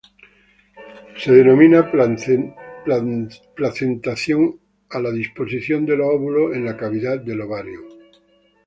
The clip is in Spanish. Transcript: Se denomina placentación a la disposición de los óvulos en la cavidad del ovario.